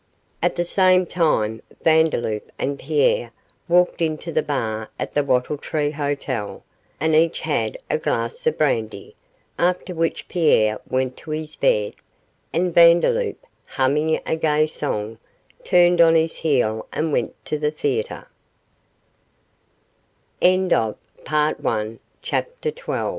At the same time Vandeloup and Pierre walked into the bar at the Wattle Tree Hotel, and each had a glass of brandy, after which Pierre went to his bed, and Vandeloup, humming a gay song, turned on his heel and went to the